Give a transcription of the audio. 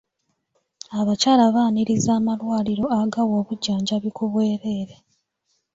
Abakyala baaniriza amalwaliro agawa obujjanjabi ku bwereere.